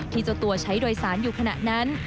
เจ้าตัวใช้โดยสารอยู่ขณะนั้น